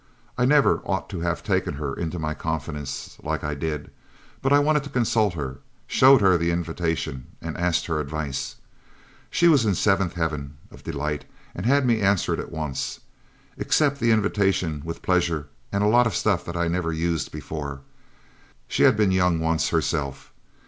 I never ought to have taken her into my confidence like I did. But I wanted to consult her, showed her the invitation, and asked her advice. She was in the seventh heaven of delight; had me answer it at once, accept the invitation with pleasure and a lot of stuff that I never used before she had been young once herself.